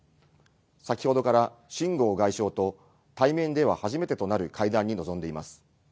先ほどから秦剛外相と対面では初めてとなる会談に臨んでいます。